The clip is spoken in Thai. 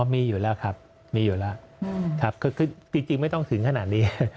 มีอยู่แล้วครับจริงไม่ต้องถึงขนาดนี้